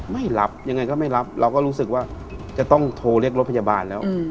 ไม่รับยังไงก็ไม่รับเราก็รู้สึกว่าจะต้องโทรเรียกรถพยาบาลแล้ว